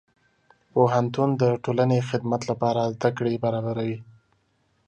پوهنتون د ټولنې خدمت لپاره زدهکړې برابروي.